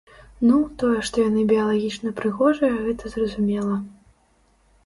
Ну, тое, што яны біялагічна прыгожыя, гэта зразумела.